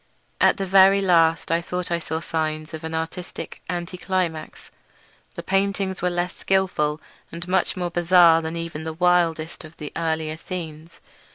At the very last I thought I saw signs of an artistic anti climax. The paintings were less skilful, and much more bizarre than even the wildest of the earlier scenes.